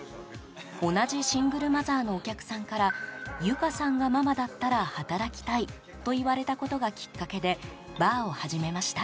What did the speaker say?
同じシングルマザーのお客さんから由香さんがママだったら働きたいと言われたことがきっかけでバーを始めました。